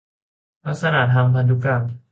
ลักษณะทางพันธุกรรม